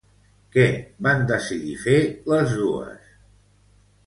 Què van decidir fer les dues?